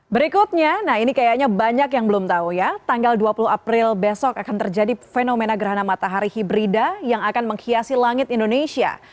berikutnya nah ini kayaknya banyak yang belum tahu ya tanggal dua puluh april besok akan terjadi fenomena gerhana matahari hibrida yang akan menghiasi langit indonesia